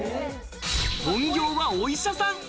本業はお医者さん。